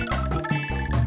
tidak boleh nulis